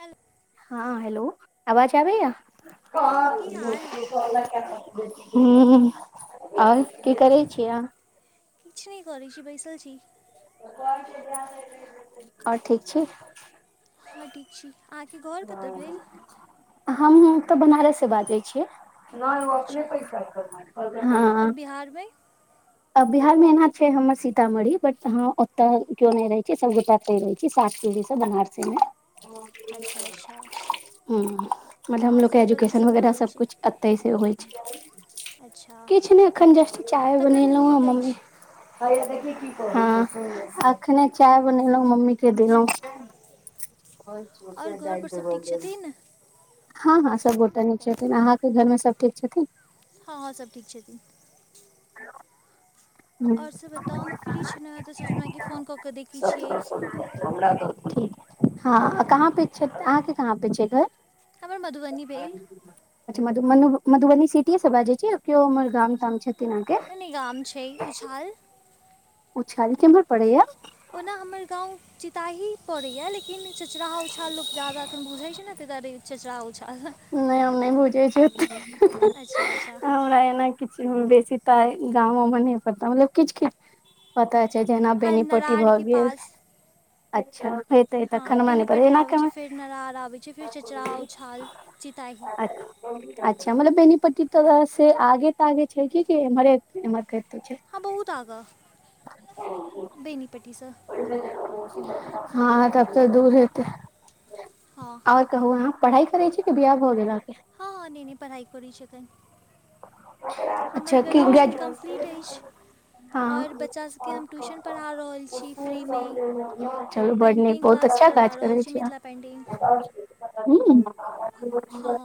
हलो! हँ हेलौ! अवाज आबय ये। [inaudible] हँ की हाल हुं, आओर की करै छि आहाॅं? किछ नहि कऽरै छी, बैसल छी। [unintelligible] आओर ठीक छी। हाॅं, ठीक छी। अहाँके घर कतय भेल हुँ, हमहुँ तऽ बनारस से बाजय छियै। नहि ओ अपने अच्छा पैसा कर। कहलकै हँ। आओर बिहारमे बिहार मे एना छै‌ हमर सीतामढ़ी, बट हम ओते केयो नहि रहे छै, सबगोटा ऐतय रहै छी, सात पीढ़ी सॅं बनारसे मे। अच्छा! अच्छा! ह, मतलब आओर हमलोग से के बताउ एजुकेशन कीसभ भऽ वगैरह रहल सब छै कुछ एतय से होइ छै। अच्छा किछु नहि एखन तक जस्ट चाय तखन तऽ बनेलहुँं हें, नीक मम्मी अछि हँ, अखने चाय बनेलहुँ, मम्मी के देलहुँ। आओर। आओर घरपर सभ ठीक छथिन ने? हँ -हँ, सभ गोटा नीक छथिन, अहाँके घरमे सब ठीक छथिन? हँ- हँ सब ठीक छथिन। आओर से बताउ हम फ्री छलहुँ हेँ तऽ सोचलहुँ हेँ कि [unintelligible] फोन कऽ कऽ देखैत छियै सतरह सौ रुपया। ठीक हँ, कहाँ पे छै, अहाँके कहाँ पे छै घर? हमर मधुबनी आ भेल [unintelligible] अच्छा! मधुु मधुबनी सिटीये से बाजै छी, कीओ उमहर गाम-ताम छथिन अहाँके? कोन गाम छै उछाल। उछाल केमहर पड़ोये। ओना हमर गाँव चिताही पड़ैए, लेकिन चचरा उछाल लोक जादा एखन बुझै छै ने ताहि दुआरे चचरा उछाल। नहि हम नहि बुझै छी, अच्छा अच्छा हमरा एना किछु बेसी तऽ गामोमे नहि पता, मतलब किछु-किछु पता छै, जेना हँ बेनीपट्टी भए नरारके गेल, पास अच्छा। हेतै हँ तखन हमरा नहि पता बेनीपटी एना आबै छै, केना फेर नरार आबै छै, फेर चचरा उछाल, चिताही। अच्छा मतलब बेनीपट्टी तोरा से आगे-तागे छै की एम्हरे-उम्हर छै। हँ बहुत आगाँ, बेनीपट्टीसँ। हँ तब तऽ दूर हेतै। हँ। आ कहू अहाँ पढ़ाई करै छी कि बियाह भऽ गेल अहाॅं के। हँ हँ नहि- नहि पढ़ाइ करै छी अखन। अच्छा की ग्रेजुएशन ग्रेजुए कम्प्लीट अछि आओर हँ। बच्चा सभके हम ट्यूशन पढ़ा रहल छी फ्रीमे चलू बड़ नीक पेन्टिंग बहुत क्लास अच्छा करबा काज रहल करै छी मिथिला पेन्टिंग अहाॅं हुं। हँ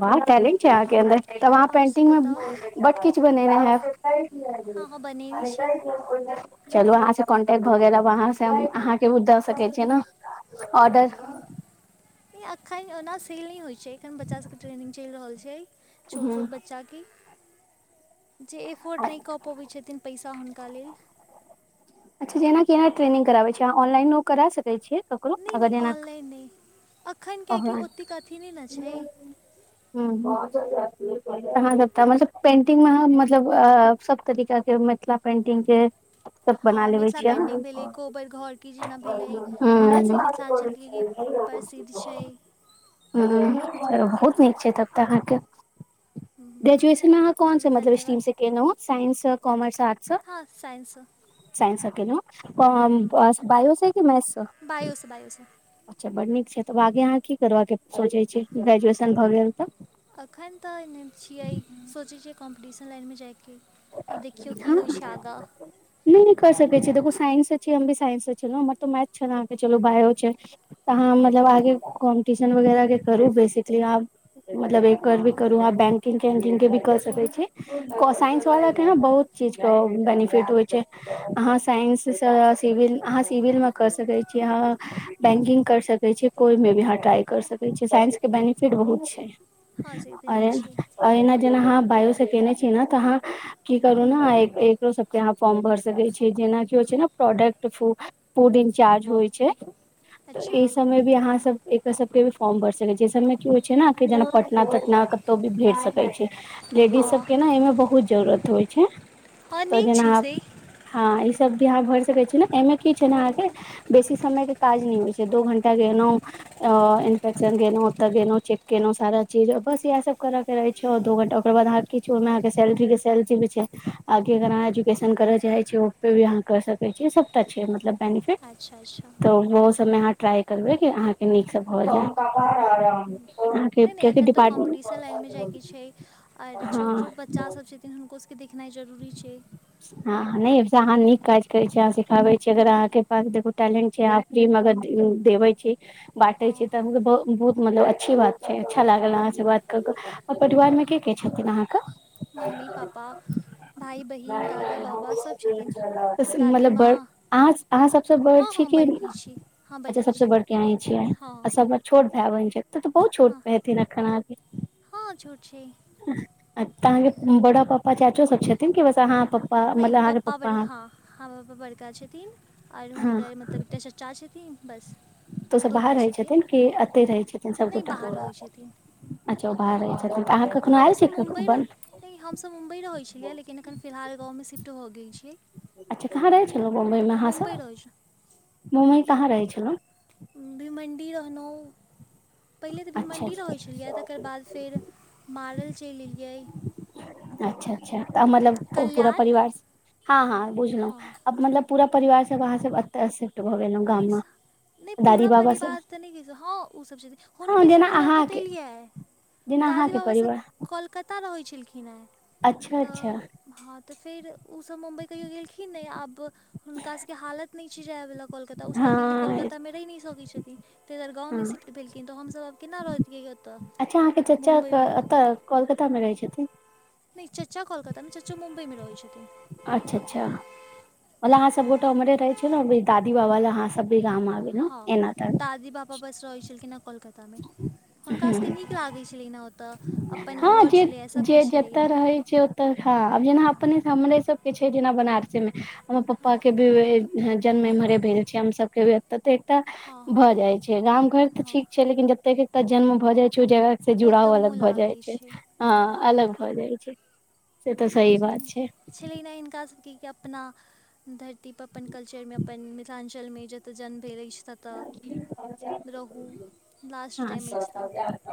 वाह टैलेंट छै अहाँके अन्दर, तऽ कला आओर से पेंटिंग बताउ मे बड किछ बनेने हैब। हँ हँ बनेने छी चलू अहाँ से कॉन्टेक्ट भऽ गेल, अब अहाँ से अहाँके उ दऽ सकैत छी ने ऑर्डर। नहि एखन ओना सेल नहि होइत छै। एखन बच्चासभके ट्रेनिंग चलि रहल छै। छोट हुं छोट बच्चाके। जे एफोर्ड नहि कऽ पबैत छथिन पैसा हुनका लेल। अच्छा जेना केना ट्रेनिंग कराबे छियै, अहां ऑनलाइनो करा सकै छियै। ककरो नहि नहि अगर जेना ऑनलाइन नहि एखन कियाकि अहां ओतेक अथी नहि ने छै हुं, अहां जे कहलहुं पेंटिंग मे मतलब सब तरीका के मिथिला पेन्टिंग के सब [inaudible] हँ बना लेबे मिथिला छियै हूं पेंटिंग भेलै, कोबर घर के जेना भेलै, अपना हूं सबके मिथिलाञ्चल के प्रसिद्ध छै। हुं हुं से बहुत सब नीक छै तब तऽ अहाँके हूँ, ग्रेजुएशन मे अहाँ कोन चलू से मतलब स्ट्रीम धन्यवाद से केेलहुं साइंस, कॉमर्स, आर्ट्स से हँ साइन्स सं। साइन्स स खेलों, त बायो से कि मैथ से? वायोसँ बायसँ। अच्छा बड नीक छै तब आगे अहाँ की करबाक सोचैत छियै ग्रेजुएशन भऽ गेल तऽ? अखैन तऽ छियै सोचै छियै कॉम्पीटिशन लाइनमे जाइके। आब देखियौ की होइ छै आगाँ हँ। [inaudible] हम नहि कर सकै छियै देखो साइंस से छ हम भी साइंस से छल हमर तऽ मैथ छले अहांके त बायो छै। तऽ अहाँ हँ मतलब आगे कॉम्पटिशन वगैरह के करू बेसिकली अहाँ मतलब एक करबे हँ करु अहाँ बैंकिंग तैंकिंग के भी कर सकै छी, साइंस वाला के ने हँ बहुत चीजके बेनिफिट होइ छै। अहाँ साइंससँ सिविल अहाँ सिविल मे कर सकैत छी, अहाँ बैंकिंग कर सकैत छी। कोइमे भी अहां ट्राइ करि सकै छियै साइंसके बेनिफिट बहुत छै हँ से तऽ नीक छै और एना जेना अहाँ बायो से केने छी न ने तऽ अहाँ की करू ने एकरो सबके अहाँ फॉर्म भर सकै छियै जेनााकि होइ छै ने प्रोडक्ट फूड फूडिंग चार्ज होइ छै तऽ अच्छा ऐ सब मे कि अहाँ सब एकर सब के भी फॉर्म भर सकै छियै ऐ सब मे की होइ छै ने जेना पटना तटना तो भी भरि सकै छियै। लेडीज हँ सबके ने एहिमे बहुत जरूरत होइ छै हँ तऽ नीक छै जेना से हँ ई सब भी अहाँ भरि सकै छीै ने एऐ मे की होइ छै ने अहाँके बेसी समयके काज नहि होइ छै, दो घंटा गेलौं अ इन्सपक्शन गेलहु ओतऽ गेलहुं चेेक केेलहुं, सारा चीज बस इह सब करा के रहै छै दु घंटा ओकर बाद अहां के किछो नै, अहां के सैनिटरी गिफ्ट चलै छै आगे अगर अहाँ एजुकेशन करए चाहे छियै भी अहाँ कर सकै छी, ई सब अच्छा छै मतलब बेनिफिट अच्छा अच्छा हँ त हँ ओ सब अहाँ ट्राई करबै कि अहाँके नीक सब भऽ जायत। नै नै एखन तऽ कॉम्पटिशन लाइन में जाय के छै आर छोट हँ छोट बच्चा सब छै। लेकिन हुनको सबके देखनाइ जरूरी छै। हँ नहि अहाँ नीक काज करै छियै अहाँ सिखाबै छियै अगर अहाँके पास देखो टैलेंट छै अहां जै मे अगर देबै छी बाँटे छी हँ तऽ हम बहुत मतलब अच्छी बात छै अच्छा लागल अहाँ से बात कऽ कऽ आ परिवार मे के के छथिन अहाँके मम्मी पाापा दादी मतलब माँ आ अहां सब सबसँ हँ बड़की अहीं हँ छियैन, बड़की छी हँ अच्छा बड़की सबसँ छी बड़के अहां छियै हँ सब छोट भाय बहिन छैथ तऽ बहुत छोट हँ हेथिन अखैन। हँ छोट छै। तहाँके बड़ा पापा चाचो सब छथिन कि बस अहाँ प नहि पप्पा बड़का हँ, हँ पापा बड़का छथिन और हँ हुनकर मतलब एकटा चाचा छथिन बस। तो ओसभ दू बाहर भाय रहै छथिन कि एतहि रहै छथिन नहि सभगोटा। बाहर रहै छथिन अच्छा ओ बाहर रहैत छथिन तऽ अहाँ कखनहु आयल छी कखनहु बन्द नै हमसभ मुम्बइ रहैत छलियै लेकिन अखन फिलहाल गाँवमे शिफ्ट भऽ गेल छियै। अच्छा कहाँ रहै छलहुँ बम्बइमे अहाँ सब, मुम्बई रहैत बम्बई मे कहाँ रहै छलहुँ। भीमण्डी रहलहुँ। पहिले तऽ अच्छा भीमण्डी अच्छा रहैत छलियै तकर बाद फेर मारल चलि एलियै। अच्छा अच्छा तऽ आब मतलब ओ पूरा कल्याण परिवार, हँ हँ बुझलहुं हँ आब मतलब पूरा परिवार सब अहां सब एत सिफ्ट भ गेलौं हँ गाम नहि मे। स- नहि पूरा परिवार तऽ नहि कहि सकै छियै, हँ ओसभ छथिन हँ हुनके जेना सभ के लऽ कऽ त अहाँके एलियै। जेना दादी अहाँके बाबासभ परिवार कोलकत्ता रहै छलखिन हेँ अच्छा अच्छा तऽ हँ तऽ फेर ओ सब मुम्बई कहियो गेलखिन नहि आब हुनका सबके हालत नहि छै जाय वला कलकत्ता ओ सभ हँ कलकत्तामे रहि नहि सकैत छथिन। तै दुआरे हँ गाँवमे सिफ्ट भेलखिन तऽ हमसभ आब केना रहतियै ओतऽ। अहाँ के त चाचा एतऽ कोलकाता मे रहै छथिन। नइ चचा कोलकाता मे नै चचा मुंबई मे रहै छथिन। अच्छा अच्छा, मतलब अहाँ सब गोटा उम्हरे रहै छियै ने दादी बाबा ले अहाँ सब भी गाम आबि गेलियै। हँ दादी बाबा बस रहै छलखिन है कोलकातामे। हुनकासभके हूँ। नीक लागै छलनि हँ ओतय अपन हँ घर छलैए सभकिछु छलैएा। तऽ हँ आब जेना अपने हमरे सबके छै जेना बनारसीमे हमर हँ हँ पपाके भी। जन्म एमहरे भेल छै हम सब के व। ततेटा हँ भऽ जाय छै गाम घर तऽ हँ ठीक छै लेकिन जतेक एकटा जन्म भऽ जाइ छै ओ जगह। से ओतय जुड़ाव मोह अलग भए जाइ लागैत छै हं अलग भऽ जाइ छै। से तऽ सही बात लेकिन छै। छलै नहि हिनका सबके की अपना। धरती पर अपन कल्चर मे अपन मिथिलाञ्चलमे जतय जन्म भेल अछि तत। तऽ रहू लास्ट हँ टाइम अछि तऽ।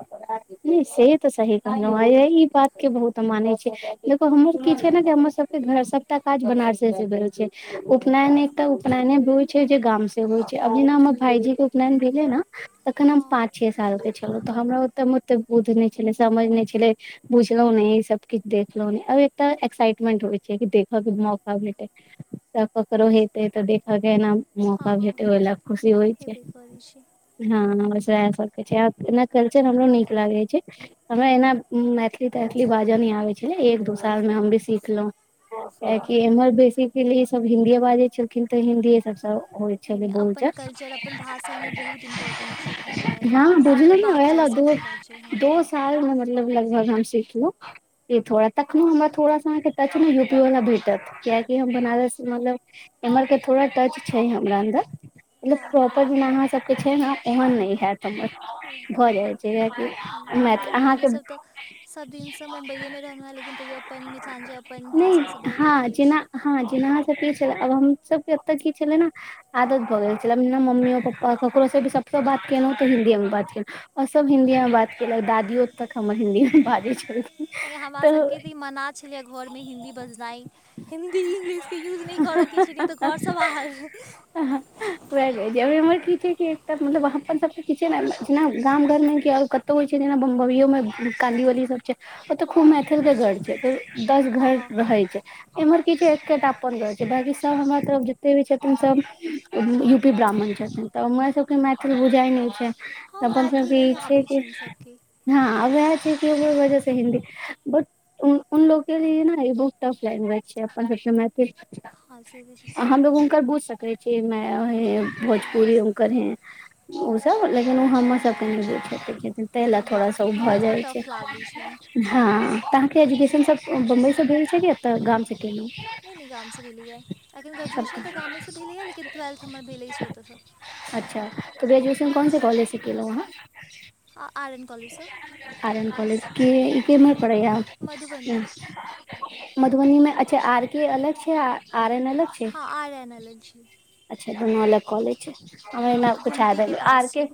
नहि से तऽ सही कहलहु ह ई बात के बहुत हम मानै छी। देखु हँ हमर किछ छै ने कि हमर सभ। घर सभटा काज बनारसे से भेल छै उपनैन एकटा उपनयने भी होइ छै जे गाम से होइ छै। जेना हमर भाईजी के उपनैन भेले ने तखन हम हँ पाँ। छे सालके छलहुँ तऽ हमरा ओतऽमे ओतेक बोध नहि छलै समझ नहि छलै। बुझलहु ने सबकिछ देखलहु नहि आ एकटा एक्साइटमेंट होइ छै कि देखयके मौका भेटे। त। ककरो अच्छा हेतै तऽ देखऽ के एना हँ मौका भेटे हँ ओहि लए क खुशी होइ छै। हेबे करै छै हँ इएह सबके छैना कल्चर हमरो नीक लागे छै। हमरा एना मैथिली तैथली ती बाजऽ ही आबै छलै एक दू साल मे हम भी सिखलहुँं। हँ कियेकी एम्हर बेसीे सब हिन्दीए बाजै छलखिन तऽ हिन्दीए सब होइ एहने छलै बोल। अपन कल्चर अपन भाष एनाइ बहुत इम्पोर्टेन्ट छै एखन कराइमे। बुझल अयबाक चाही ने दो सभके बात छै हँ दो साल मे मतलब लगभग हम सिखलहु। ई थोड़ा तखनो हमरा थोड़ा सा अहाँके टच मे यूपी वाला भेटत कियकि हम बनारस मतलब। एम्हर के थोड़ा टच छै हमरा अन्दर। मतलब हँ हँ प्रॉपर जेना अहाँ सबके छै ने ओहन नहि हेत हमर। ए हँ भऽ जाइ हँ छै जेाकि मैच नहि अहाँके। हमहूँसभ तऽ सभ दिनसँ मुम्बइएमे रहलहुँ हेँ लेकिन तैयो तो अपन मिथिलाञ्चल अपन नहि भाषासँ बहुत हँ अथी अछि जेना। हँ जेनाहा सबके छले आब हम सब के एते की छले ने आदत भऽ गेल। मतलब ने मम्मीओ हँ पप्पा ककरोसँ भी सभसँ बात केलहुँ तऽ हिन्दीएमे बात केलहुँ। आओ सभ हिंन्दीमे बात कयेलक दादियो तक हमर हिंन्दीमे बाजैत छल। नइ हमरासभके तऽ ई मना छलै घरमे हिन्दी बजनाइ। हिन्दी इंग्लिशके यूज नहि कोरके छै नहि त घरसँ बाहर। हहाँ। र की एक मतलब वहाँ पर सब पीछे ने इना गाम घरमे कि होइ छै जेना बम्बो मे काली वाली सब छै ओतऽ खूब मैथिल के घर छै। दस हँ घर हँ रहै छै। एमर किछ एकटा अपनन रह छै बाकी सभ हमरार जतेक भी छै तन सभ यू पी ब्राह्मण छथिन तऽ रा सब के मैथिल बुझााय नई छै। हँ त अपन सब मैथिल नहि छै आबै की छनि सबके हँ वैऽह छै वजह छै हिन्दी ब उन उनलोक के न बहुत टफ लाइग जाए छै अपन सब के मैथिल हँ से तऽ छै हमलोग हुनकर बुझ सकले छी मैाय है हँ भोजपुरी हुनकर हैं। ओसभ लेकिन ओ हमरसभके जे खकै छथिन ताहि लेल नहि थोड़ा बुझै सा छै ओ भऽ हुनका सबके जाइ छै। टफ लागै छनि हँ तऽहाँके हूँ एजुकेशन सब बम्बई से भेल छै की एतऽ गाम से तना [inaudible] नहि -नहि गामसँ भेलैय, लेकिन ग्रेजुएशन तऽ गामेसँ भेलैयै लेकिन ट्वेल्थ हम भेलै ओतयसँ अच्छा! तऽ ग्रेजुएशन कोन से कॉेजसँ केलो वहाँ आर एन कॉलेजसँ आर एन कॉलेजके ई केमर पढ़ैा मधुबनी मधुबनी मे अच्छा! आर के अलग छै, आ आर एन अलग छै? हँ आर एन अलग छैय। अच्छा! दुनू अलग कॉलेज छै, मे हँ पुछा गुमतीके द आर पास के छै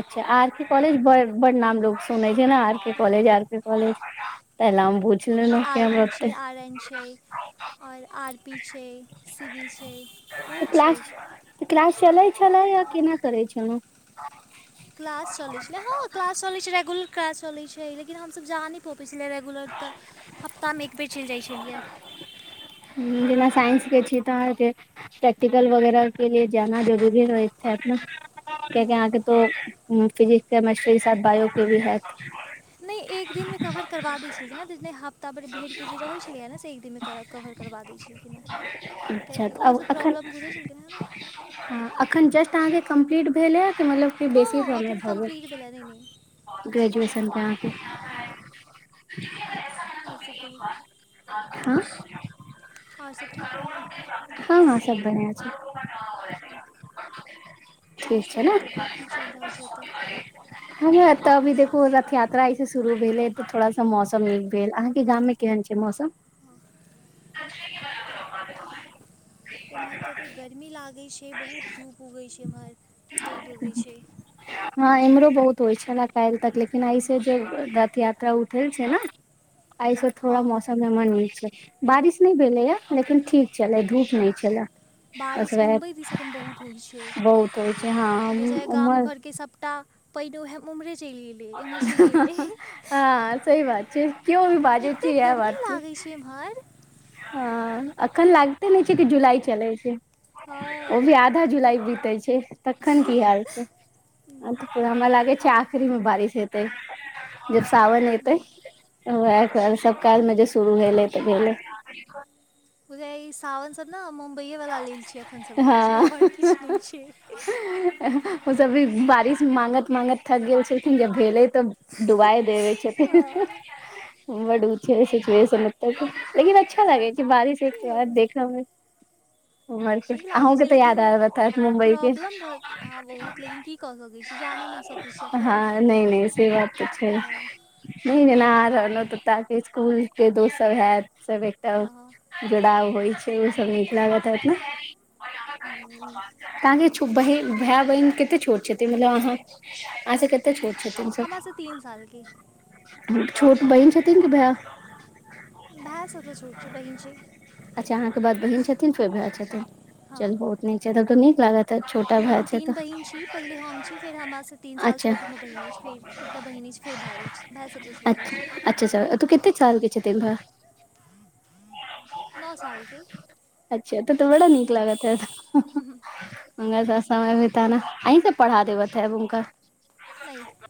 अच्छा! आर के कॉलेज ब बड नाम लोग सुनै छै, ने आर के हँ कॉलेज, आर के कॉलेज। तऽ ल हम बुझल आर नोकिया के छै मते [unintelligible] आर एन छैे। आओर आर पी छै, सी वी छै। त बहुत छै क्लास क्लास चलैत छलै, या केना करैत छलहुँ? क्लास चलै छलै, हँ क्लास चलैत छै, रेगुलर क्लास चलैत छै, लेकिन हमसब जा नहि पबैत छलियै रेगुलर। तऽ, हफ्तामे एक बेर चलि जाइ छलियै। जेना साइंस के छीय तऽ अहाँके प्रै्टिकल वगैरह के लि जाना जरूरी होैत ने? कियाकि अहाँके तो फिजिक्स, केमेस्ट्री, के साथ बायो के भी हयैत नहि एक दिन मे कवर करबा दै छलखिन, ह हफ्ता भरि भर के जे रहैत छलैे ने से कवर करबा दै छलखिन हँ, अच्छा कियाकि तऽ ओहो आब सब एखन प्रॉब्लम बुझैत छलखिन हेँ न। हँ, अखन जस्ट अहाँकेँ कम्प्लीट भेल ह, कि मतलब र हँ बेसी हँ फॉर एखन भर कम्प्लीट भेलै नहि नहि ग्रेजुएशन के आके हँ। आर सब कहु। आँ [unintelligible] आओर सब ठीक ने हँ- हँ सब बढिआ छै। आओर ठीक सब छै ने बतबिऔ कि चलि रहल छै ओतऽ [unintelligible] ह तऽ अभी देख रथ यात्रा ऐसे शुरू भेल ह, त थोड़ा सा मौसम नीक भेल, अहाँके गाम में केहन छै? मौसम। हँ। कचरे के बराबर हम बात कहलउ। एम्हर त एतेक गर्मी लागैत छै, बहुत धूप उगैत छै एम्हर, रौद उगैत छै। हँ इम्हरो बहुत होइ छलए काल्हि तक, लेकिन ऐस जे रथ यात्रा उठल छै ने। एहिऐसे हँ थोड़ा मौस त हमरा मन हो छल, बारिश नहि भेलैय, लेकिन ठीक छलै, धूप नहि छलै। बस बारिश वएह मुम्बई दिस एखन बहुत होइ छै, बहुत होइ छै बुझ हँ गाम उमर घर के सबटा पईन उहे उमरे चलि गेल एम्हर सुइख हँ गेलै, सही बात छै केओ भी बाजै कते छै गर्मी लागे छै एम्हर। ह अखन लागते नहि छै कि जुलाई चलै छै, ओ हँ भी आ आधा जुलाई बीतै छै, तखन की हाल छै। अ त हमरा लागे छै, आखिरी मे बारिश हेतै। जब सावन एते, वएह सब काल मे जे शुरू भेलै तऽ, भेले। बुझाईये सावन सब ने, मुम्बईए वाला लेल छै, अखन सबकछु हँ छै, एम्हर किछु नहि छै। ओ सब भी बारिश मागत- मागत थक गेल छैेकिन, जब भेलै तऽ डुबाइ देबे छथिन। हँ बड ऊचे सिचुएशन ऽत के लेकिन अच्छा लागै छै बाजै छै की त्य कहबै देखऽ मे। उमर के नीक लागै अहु के छै तऽ याद लेकिन आ बैत हैत मुम्बई के। प्रॉब्लम भऽ हँ बहुत लेकिन की कऽ सकै छी जा नहि ने सकै छी एखन हँ नहि नहि से बात तऽ छै। हँ मही जेना आ रहल त स्कुल के दोस्त सब हैत सभ एकटा। हँ जुड़ाव होइ छै ओ सब नीक लागैत हैत ने। हम्म, तहाँके भाय बहिन कतेक छोट छथीन मतलब अहाँ। आहांस कतेक छोट छथीन हम सब। आज तीन साल की छोट बहिन छथिन की भैऽ। भाय सभसँ छोट छै बहीन छै अच्छा अहाँके बाद बहिन छथिन। अच्छा तऽ हँ चल बहुत नीक छै तब तक नीक लागत। हैत छोटा नहि भाय हम छै तीन तऽ बहिन छी पहिले हम छी फेर हमरा स तीन साल अच्छा छोट हमर बहिन अछि फेर एकटा बहिन अछि फेर भैऽ। भैऽ सभसँ छोट अछि। अच्छा केते साल के छथिन भैऽ। नऽ सालके। अच्छा तऽ त बड़ा नीक लागेत हैत। ह त समय होता ने अहींसब पढ़ा देबैत हुनका। नहि।